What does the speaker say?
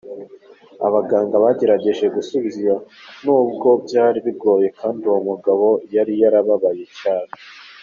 Abaganga bagerageje kongera kugisubizaho nubwo byari bigoye kandi n'uwo mugabo yari yazahaye cyane.